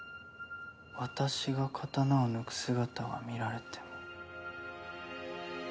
「私が刀を抜く姿は見られても」。